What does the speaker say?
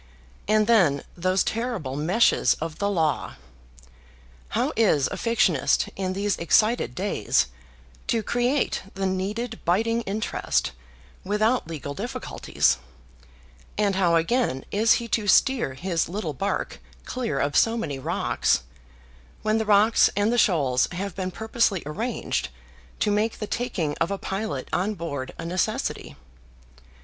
And then those terrible meshes of the Law! How is a fictionist, in these excited days, to create the needed biting interest without legal difficulties; and how again is he to steer his little bark clear of so many rocks, when the rocks and the shoals have been purposely arranged to make the taking of a pilot on board a necessity?